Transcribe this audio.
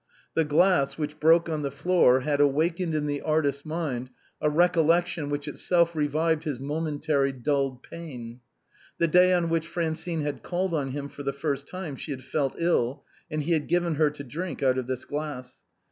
The glass, which broke on the floor, had awakened in the artist's mind a recollection which itself revived his momen tarily dulled pain. The day on which Francine had called on him for the first time she had fallen ill, and he had given her to drink out of this glass.